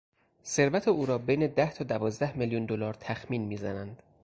ثروت او را بین ده تا دوازده میلیون دلار تخمین میزنند.